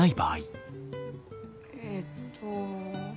えっと。